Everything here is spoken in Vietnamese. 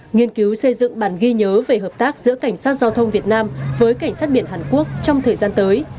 nghiên cứu xây dựng bản ghi nhớ về hợp tác giữa cảnh sát giao thông việt nam với cảnh sát biển hàn quốc trong thời gian tới